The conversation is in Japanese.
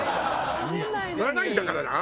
肉食わないんだからな！